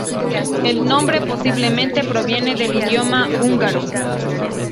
El nombre posiblemente proviene del idioma húngaro.